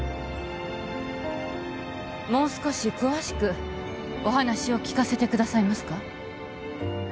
もう少し詳しくお話を聞かせてくださいますか？